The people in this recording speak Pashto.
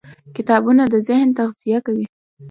کتابونه د ذهن تغذیه کوي.